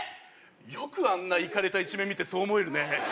よくあんなイカれた一面見てそう思えるね